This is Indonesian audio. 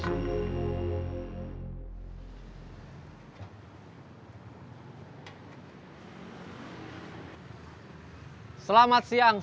semoga selama negeri tidak ada kesalean kau